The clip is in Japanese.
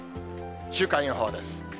週間予報です。